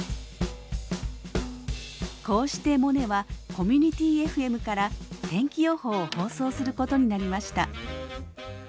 こうしてモネはコミュニティＦＭから天気予報を放送することになりました。